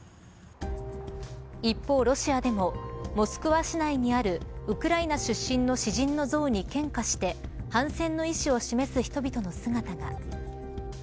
一方、ロシアでもモスクワ市内にあるウクライナ出身の詩人の像に献花して反戦の意思を示す人々の姿が。